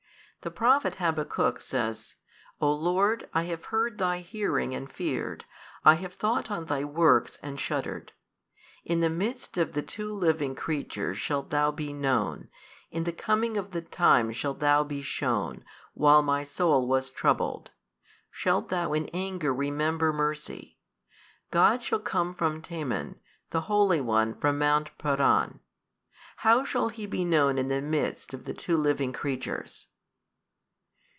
The Prophet Habaccuc says, O Lord, I have heard Thy hearing and feared, I have thought on Thy works and shuddered. In the midst of the two living creatures shalt Thou be known, in the coming of the times shalt Thou be shewn, while my soul was troubled, shalt Thou in anger remember mercy. God shall come from Teman, the Holy One from mount Paran. How shall He be known in the midst of the two living creatures?